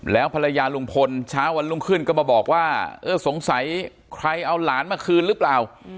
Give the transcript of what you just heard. แล้วภรรยาลุงพลเช้าวันรุ่งขึ้นก็มาบอกว่าเออสงสัยใครเอาหลานมาคืนหรือเปล่า